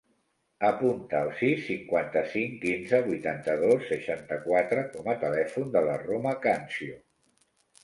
Apunta el sis, cinquanta-cinc, quinze, vuitanta-dos, seixanta-quatre com a telèfon de la Roma Cancio.